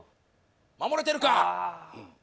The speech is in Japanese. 「守れてるかっ！」